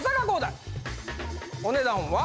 お値段は。